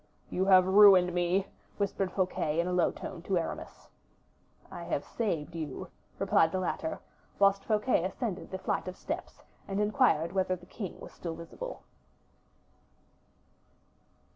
"You have ruined me," whispered Fouquet, in a low tone, to Aramis. "I have saved you," replied the latter, whilst Fouquet ascended the flight of steps and inquired whether the king was still visible.